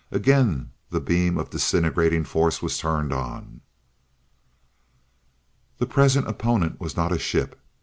Again the beam of disintegrating force was turned on The present opponent was not a ship.